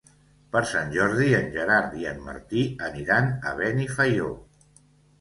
Per Sant Jordi en Gerard i en Martí aniran a Benifaió.